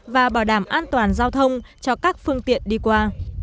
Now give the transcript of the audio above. và bảo đảm an toàn giao thông cho các phương tiện đi qua